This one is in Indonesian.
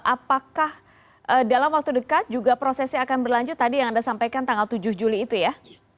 apakah dalam waktu dekat juga prosesnya akan berlanjut tadi yang anda sampaikan tanggal tujuh juli itu ya